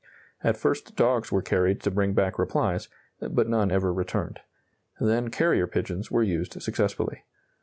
At first dogs were carried to bring back replies, but none ever returned. Then carrier pigeons were used successfully.